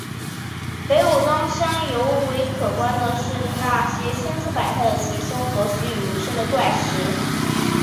北武当山尤为可观的是那些千姿百态的奇松和栩栩如生的怪石。